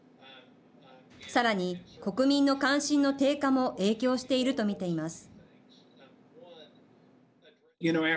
さらに、国民の関心の低下も影響していると見ています。